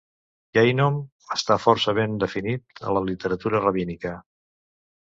"Gehinom" està força ben definit a la literatura rabínica.